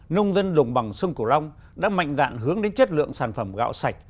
nông dân đồng bằng sơn cổ long đã mạnh dạn hướng đến chất lượng sản phẩm gạo sạch